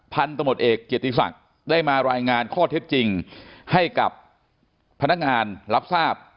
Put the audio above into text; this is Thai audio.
พันธมตเอกเกียรติศักดิ์ได้มารายงานข้อเท็จจริงให้กับพนักงานรับทราบ